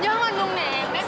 jangan dong nenek